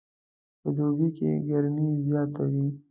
په دوبي کې ګرمي زیاته وي